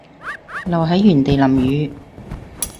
留喺原地淋雨